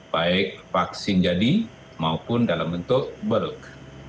baik vaksin jadi maupun dalam bentuk burk